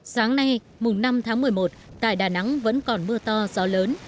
sáng nay mùng năm tháng một mươi một tại đà nẵng vẫn còn mưa to gió lớn